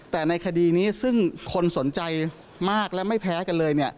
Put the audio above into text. แต่ในคดีนี้ซึ่งคนสนใจมากและไม่แพ้กันเลย